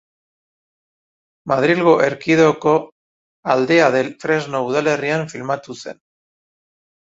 Madrilgo Erkidegoko Aldea del Fresno udalerrian filmatu zen.